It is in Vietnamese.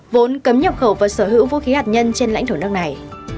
vốn cấm nhập khẩu và sở hữu vũ khí hạt nhân trên lãnh thổ nước này